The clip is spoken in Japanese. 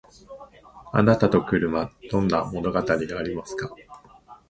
あなたと車どんな物語がありますか？